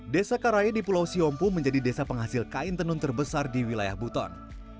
desa karaya di pulau siompu menjadi desa penghasil kain tenun terbesar di wilayah buton